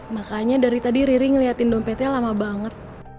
makanya dari tadi riri ngeliatin dompetnya lama banget